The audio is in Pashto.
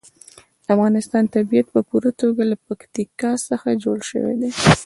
د افغانستان طبیعت په پوره توګه له پکتیکا څخه جوړ شوی دی.